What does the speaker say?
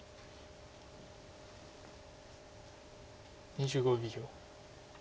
２５秒。